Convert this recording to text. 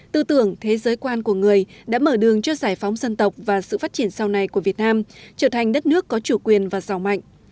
tư tưởng thế giới quan của người đã mở đường cho giải phóng dân tộc và sự phát triển sau này của việt nam trở thành đất nước có chủ quyền và giàu mạnh